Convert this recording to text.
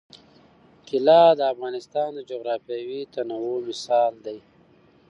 طلا د افغانستان د جغرافیوي تنوع مثال دی.